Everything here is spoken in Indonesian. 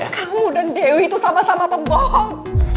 kamu dan dewi itu sama sama pembohong